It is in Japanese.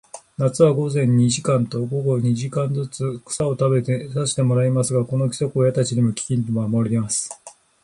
夏は午前に二時間と、午後に二時間ずつ、草を食べさせてもらいますが、この規則を親たちもきちんと守ります。